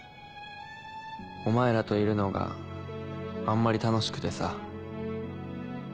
お前らといるのがあんまり楽しくてさ。